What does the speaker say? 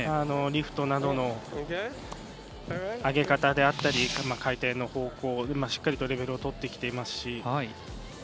リフトなどの上げ方であったり回転の方向、しっかりとレベルをとってきていますし。